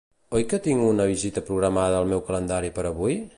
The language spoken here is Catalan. Oi que tinc una visita programada al meu calendari per avui?